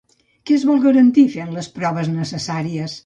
Què es vol garantir fent les proves necessàries?